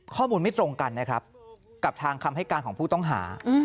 ข้อมูลไม่ตรงกันนะครับกับทางคำให้การของผู้ต้องหา